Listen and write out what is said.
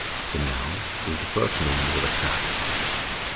The mound is the first means of attack.